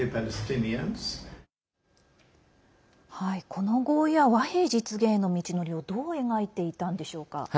この合意は和平実現への道のりをどう描いていたんでしょうか。